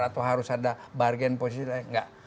atau harus ada bargen posisi lain tidak